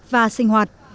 và sinh hoạt